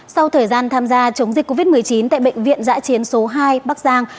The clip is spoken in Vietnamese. sau thời gian tham gia chống dịch covid một mươi chín tại bệnh viện giã chiến số hai bắc giang